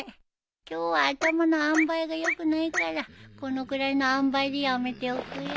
今日は頭のあんばいが良くないからこのくらいのあんばいでやめておくよ。